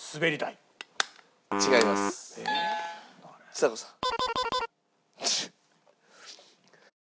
ちさ子さん。